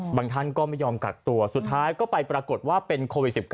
ท่านก็ไม่ยอมกักตัวสุดท้ายก็ไปปรากฏว่าเป็นโควิด๑๙